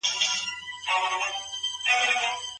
د لاس لیکنه د دې لاسته راوړنو شاهد دی.